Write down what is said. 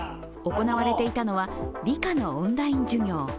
行われていたのは、理科のオンライン授業。